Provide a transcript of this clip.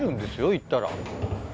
行ったら。